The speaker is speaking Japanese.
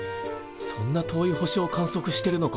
そんな遠い星を観測してるのか。